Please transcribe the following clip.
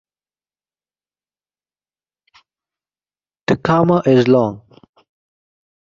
The Kama is long.